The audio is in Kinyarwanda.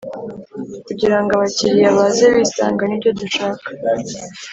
kugira ngo abakiliya baze bisanga nibyo dushaka